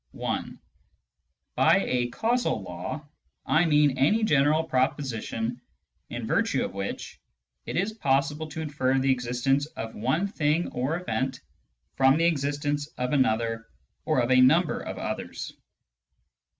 I. By a " causal law " I mean any general proposition in virtue of which it is possible to infer the existence of one thing or event from the existence of another or of a number of others.